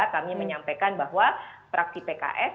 kami menyampaikan bahwa fraksi pks